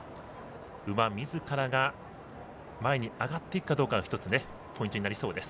馬みずからが前に上がっていくかどうかが一つ、ポイントになりそうです。